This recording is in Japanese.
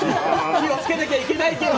気をつけなきゃいけないケロ！